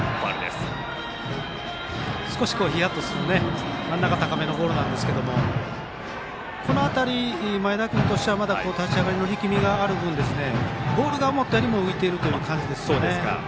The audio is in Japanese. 少しヒヤッとする真ん中高めのボールですがこの辺り前田君としては立ち上がりの力みがある分ボールが思ったより浮いている感じです。